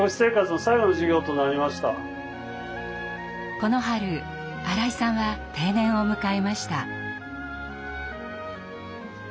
この春新井さんは定年を迎えました。